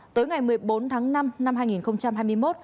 tối ngày một mươi bốn tháng năm năm hai nghìn hai mươi một